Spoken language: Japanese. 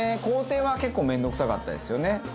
工程は結構面倒くさかったですよね。